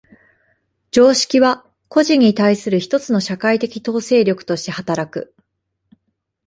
常識は個人に対する一つの社会的統制力として働く。